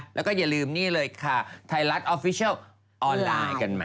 แล้วก็อย่าลืมนี่เลยค่ะไทยรัฐออฟฟิเชียลออนไลน์กันมา